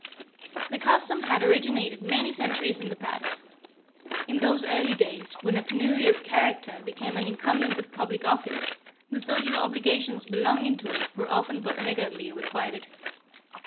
This custom had originated many centuries in the past. In those early days, when a penurious character became an incumbent of public office, the social obligations belonging to it were often but niggardly requited.